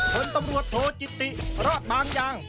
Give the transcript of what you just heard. ผลตำรวจโทจิติรอดบางอย่าง